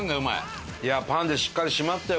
パンでしっかり締まったよ